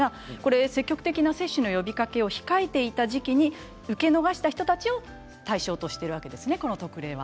積極的な接種の呼びかけを控えていた時期に受け逃した人たちを対象としているんですね、この特例は。